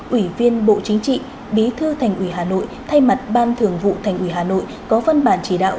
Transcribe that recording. ủy viên bộ chính trị bí thư thành ủy hà nội thay mặt ban thường vụ thành ủy hà nội có văn bản chỉ đạo